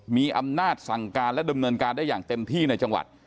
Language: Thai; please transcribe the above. มีอำนาจสั่งการและดำเนินการได้อย่างเต็มที่ในจังหวัด